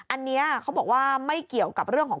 อันนี้เขาบอกว่าไม่เกี่ยวกับเรื่องของ